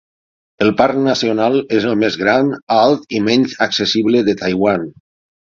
El parc nacional és el més gran, alt i menys accessible de Taiwan.